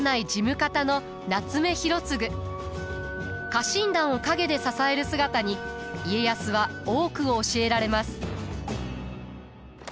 家臣団を陰で支える姿に家康は多くを教えられます。